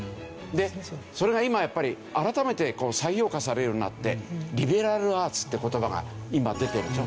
でそれが今やっぱり改めて再評価されるようになって「リベラルアーツ」っていう言葉が今出てるでしょ。